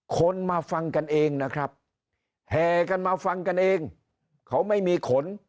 คนมาฟังกันเองนะครับแห่กันมาฟังกันเองเขาไม่มีขน